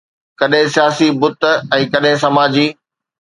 ڪڏهن سياسي بت ۽ ڪڏهن سماجي